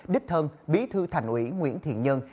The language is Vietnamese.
đích thân bí thư thành ủy nguyễn thiện nhân